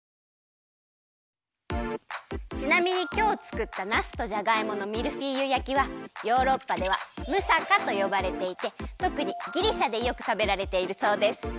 ちなみにきょうつくったなすとじゃがいものミルフィーユ焼きはヨーロッパではムサカとよばれていてとくにギリシャでよくたべられているそうです。